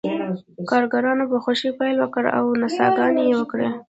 کارګرانو په خوښۍ پیل وکړ او نڅاګانې یې وکړې